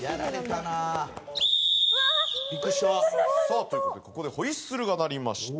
さあという事でここでホイッスルが鳴りました。